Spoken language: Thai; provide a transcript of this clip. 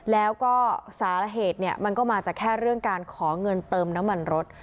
แล้วก็สาเหตุเนี่ยมันก็มาจากแค่เรื่องการขอเงินเติมน้ำมันรถ